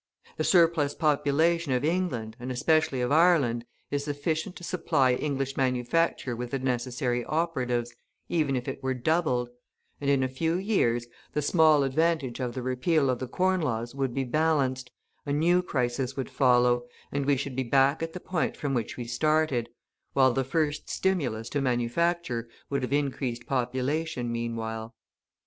The "surplus population" of England, and especially of Ireland, is sufficient to supply English manufacture with the necessary operatives, even if it were doubled; and, in a few years, the small advantage of the repeal of the Corn Laws would be balanced, a new crisis would follow, and we should be back at the point from which we started, while the first stimulus to manufacture would have increased population meanwhile.